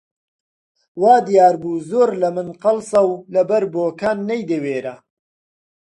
وا دیار بوو زۆر لە من قەڵسە و لەبەر بۆکان نەیدەوێرا